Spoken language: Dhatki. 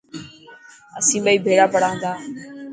اسين ٻئي ڀيڙا پڙهان ٿا.